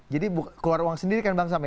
jadi keluar uang sendiri kan bang sam